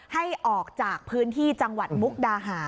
ให้ออกจากพื้นที่จังหวัดมุกดาหาร